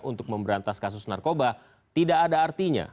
untuk memberantas kasus narkoba tidak ada artinya